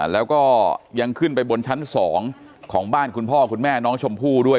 แล้วก็ยังขึ้นไปบนชั้น๒ของบ้านคุณพ่อคุณแม่น้องชมพู่ด้วย